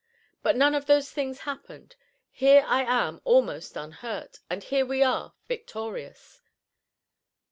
But none of those things happened. Here I am almost unhurt, and here we are victorious."